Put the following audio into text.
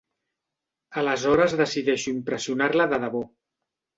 Aleshores decideixo impressionar-la de debò.